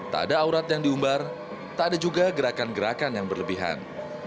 tak ada aurat yang diumbar tak ada juga gerakan gerakan yang berlebihan